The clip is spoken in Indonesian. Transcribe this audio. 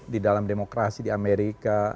di dalam demokrasi di amerika